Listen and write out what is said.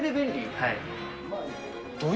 はい。